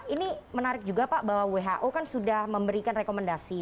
ini menarik juga pak bahwa who kan sudah memberikan rekomendasi